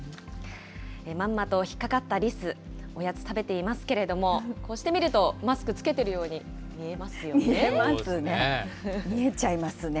まんまと引っ掛かったリス、おやつ食べていますけれども、こう見るとマスク着けてるように見見えますね。